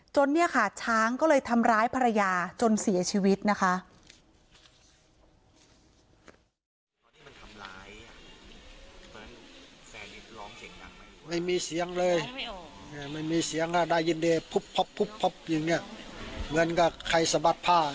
เนี่ยค่ะช้างก็เลยทำร้ายภรรยาจนเสียชีวิตนะคะ